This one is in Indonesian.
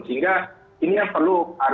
sehingga ini yang perlu harus kita waspadai